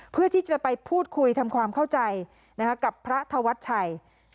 เพื่อที่จะไปพูดคุยทำความเข้าใจกับพระธวัชชัย